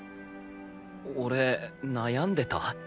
俺悩んでた？